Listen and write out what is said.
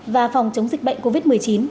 và phòng chống dịch bệnh covid một mươi chín